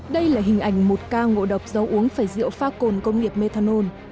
đây là hình ảnh một ca ngộ độc dấu uống phải rượu phá cồn công nghiệp methanol